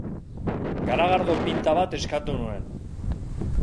Garagardo pinta bat eskatu nuen.